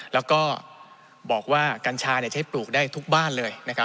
แล้วก็บอกว่ากัญชาใช้ปลูกได้ทุกบ้านเลย